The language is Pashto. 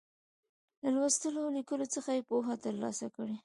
له لوستلو او ليکلو څخه يې پوهه تر لاسه کیږي.